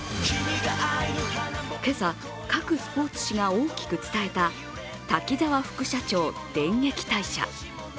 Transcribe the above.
今朝、各スポーツ紙が大きく伝えた滝沢副社長、電撃退社。